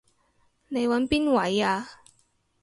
你搵邊位啊？